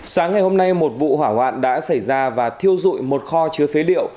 sáng ngày hôm nay một vụ hỏa hoạn đã xảy ra và thiêu dụi một kho chứa phế liệu